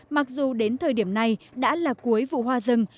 mặc dù đến thời điểm này đã là cuối vụ hoa rừng